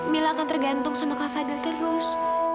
mila akan tergantung sama kak fadil terus